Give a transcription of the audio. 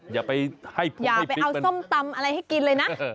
อย่าไปเอาส้มตำอะไรให้กินเลยนะ